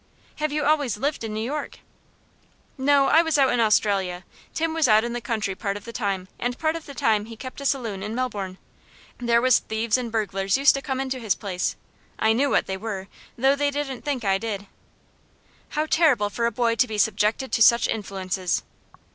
"Have you always lived in New York?" "No; I was out in Australia. Tim was out in the country part of the time, and part of the time he kept a saloon in Melbourne. There was thieves and burglars used to come into his place. I knew what they were, though they didn't think I did." "How terrible for a boy to be subjected to such influences."